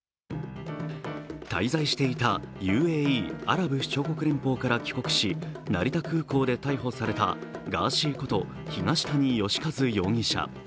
滞在していたＵＡＥ＝アラブ首長国連邦から帰国し、成田空港で逮捕されたガーシーこと東谷義和容疑者。